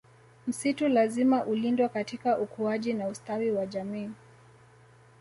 Msitu lazima ulindwe katika ukuaji na ustawi wa jamii